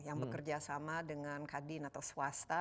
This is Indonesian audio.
yang bekerja sama dengan kadin atau swasta